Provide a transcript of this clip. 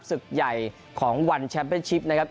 ศึกใหญ่ของวันแชมป์เป็นชิปนะครับ